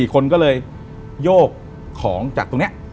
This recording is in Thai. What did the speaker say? คนก็เลยโยกของจากตรงนี้